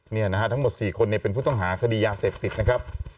นี่นะฮะทั้งหมด๔คนเป็นผู้ต้องหาคดียาเสพติดนะครับ